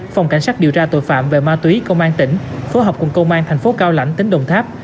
phòng cảnh sát điều tra tội phạm về ma túy công an tỉnh phối hợp cùng công an thành phố cao lãnh tỉnh đồng tháp